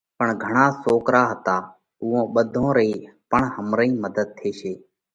پڻ گھڻا سوڪرا هتا، اُوئون ٻڌون رئِي پڻ همرئيم مڌت ٿيتئي۔